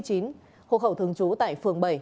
hộ khẩu thường trú tại phường bảy